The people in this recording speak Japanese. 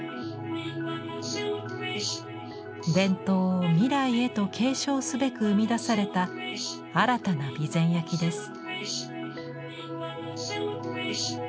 伝統を未来へと継承すべく生み出された新たな備前焼です。